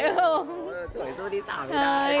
สวยสู้ดีสาวดูได้